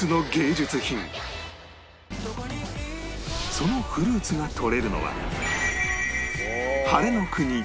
そのフルーツがとれるのは